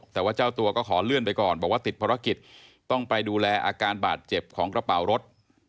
แต่ว่าเจ้าตัวก็ขอเลื่อนไปก่อนบอกว่าติดภารกิจต้องไปดูแลอาการบาดเจ็บของกระเป๋ารถ